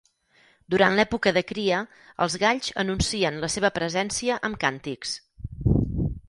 Durant l'època de cria, els galls anuncien la seva presència amb càntics.